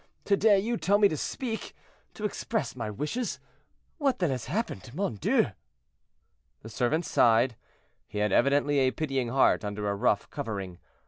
To day you tell me to speak—to express my wishes; what then has happened, mon Dieu?" The servant sighed. He had evidently a pitying heart under a rough covering.